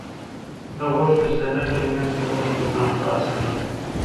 ده غوښتل چې د نه کلمې په ویلو سره ځان خلاص کړي.